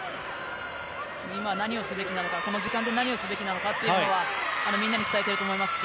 今は何をすべきなのかこの時間で何をすべきなのかはみんなに伝えたいと思いますし。